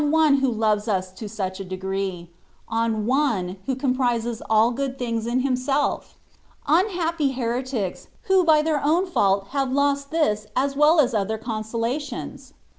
one who loves us to such a degree — on One who comprises all good things in Himself? Unhappy heretics, who by their own fault have lost this as well as other consolations.